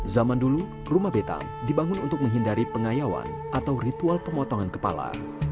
zaman dulu rumah betang dibangun untuk menghindari pengayawan atau ritual pemotongan kepala